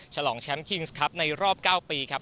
ฉลองแชมป์คิงส์ครับในรอบ๙ปีครับ